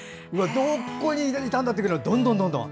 どこにいたんだってぐらいどんどんどんどん。